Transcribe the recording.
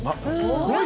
すごい。